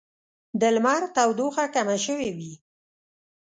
د لمر تودوخه کمه شوې وي